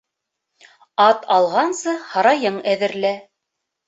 Ат алғансы, һарайың әҙерлә.